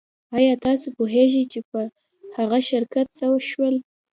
ایا تاسو پوهیږئ چې په هغه شرکت څه شول